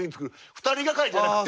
２人がかりじゃなくて。